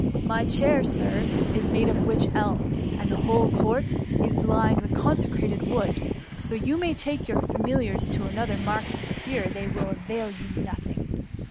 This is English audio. My chair. Sir, is made of witch elm» and the whole court is lined with ccmsecrated wood ; so you may take your fami liars to another market, for here they will avail you nothing.''